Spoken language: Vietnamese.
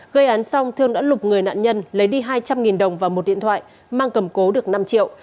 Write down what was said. gây án xong thương đã lục người nạn nhân lấy đi hai trăm linh đồng và một điện thoại mang cầm cố được năm triệu